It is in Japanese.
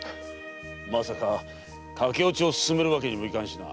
まさか駆け落ちを勧めるわけにもいかんしな。